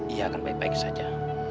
iya akan baik baik saja